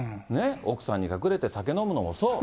奥さんに隠れて酒飲むのもそう。